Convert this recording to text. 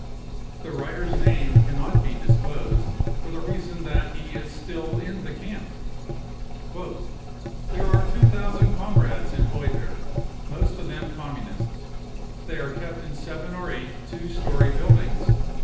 The writer's name can not be disclosed, for the reason that he is still in the camp. o Q " There are 2,000 comrades in Heuberg, most of them Gommunists. They are kept in seven or eight two storey buildings.